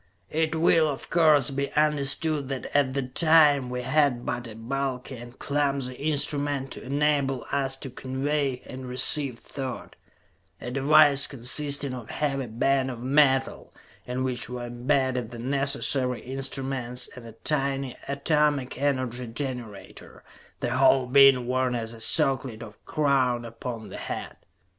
It will, of course, be understood that at that time we had but a bulky and clumsy instrument to enable us to convey and receive thought; a device consisting of a heavy band of metal, in which were imbedded the necessary instruments and a tiny atomic energy generator, the whole being worn as a circlet or crown upon the head.